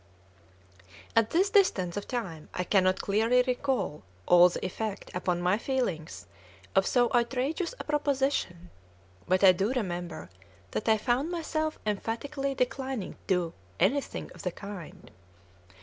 At this distance of time I cannot clearly recall all the effect upon my feelings of so outrageous a proposition; but I do remember that I found myself emphatically declining to do "anything of the kind."